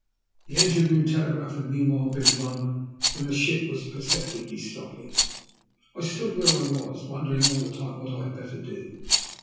" The engine room telegraph had meanwhile been rung, and the ship was perceptibly stopping. I stood where I was, wondering all the time what I had better do.